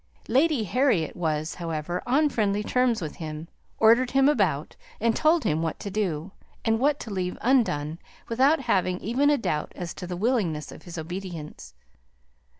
Lady Harriet was, however, on friendly terms with him, ordered him about, and told him what to do, and what to leave undone, without having even a doubt as to the willingness of his obedience.